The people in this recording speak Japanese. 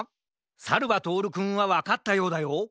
さるばとおるくんはわかったようだよ。